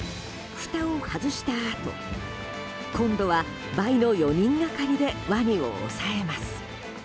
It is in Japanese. ふたを外したあと今度は倍の４人がかりでワニを押さえます。